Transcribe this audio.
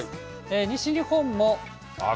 西日本も。